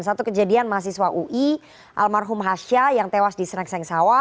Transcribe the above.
satu kejadian mahasiswa ui almarhum hasyah yang tewas di senegseng sawa